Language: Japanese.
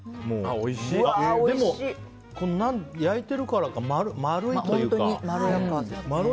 でも、焼いているからか丸いというか。